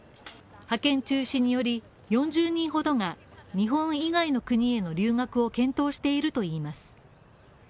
派遣中止により４０人ほどが日本以外の国への留学を検討しているといいます。